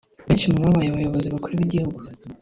Benshi mu babaye abayobozi bakuru b’igihugu